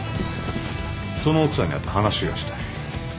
その奥さんに会って話がしたい。